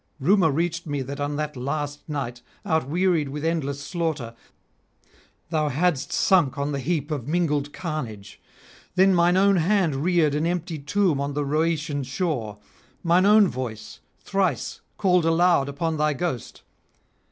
Rumour reached me that on that last night, outwearied with endless slaughter, thou hadst sunk on the heap of mingled carnage. Then mine own hand reared an empty tomb on the Rhoetean shore, mine own voice thrice called aloud upon thy ghost.